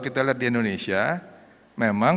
kita lihat di indonesia memang